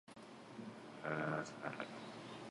iPhone を買う